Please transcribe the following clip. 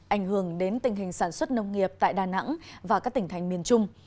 ảnh hưởng đến tình hình sản xuất nông nghiệp tại đà nẵng và các tỉnh thành miền trung